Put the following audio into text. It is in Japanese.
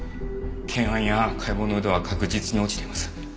検案や解剖の腕は確実に落ちています。